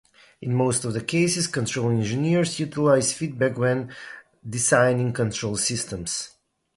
In most of the cases, control engineers utilize feedback when designing control systems.